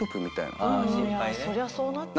そりゃそうなっちゃう。